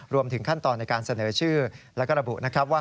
รวมถึงขั้นตอนในการเสนอชื่อแล้วก็ระบุนะครับว่า